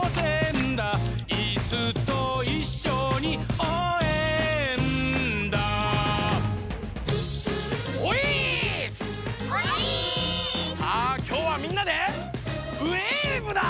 おいっすー！さあきょうはみんなでウエーブだ！